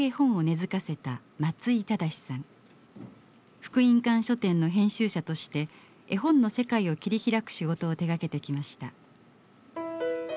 福音館書店の編集者として絵本の世界を切り開く仕事を手がけてきました。